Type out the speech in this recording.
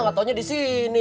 gak taunya disini